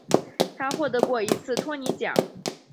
他获得过一次托尼奖。